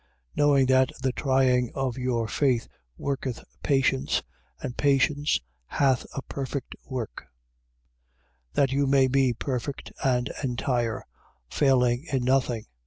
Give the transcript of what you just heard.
Knowing that the trying of your faith worketh patience 1:4. And patience hath a perfect work: that you may be perfect and entire, failing in nothing.